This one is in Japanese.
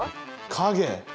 影。